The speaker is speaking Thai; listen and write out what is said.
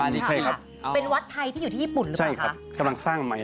นี่ใช่ครับเป็นวัดไทยที่อยู่ที่ญี่ปุ่นหรือเปล่าใช่ครับกำลังสร้างใหม่